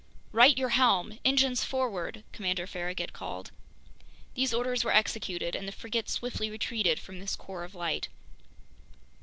"Right your helm! Engines forward!" Commander Farragut called. These orders were executed, and the frigate swiftly retreated from this core of light.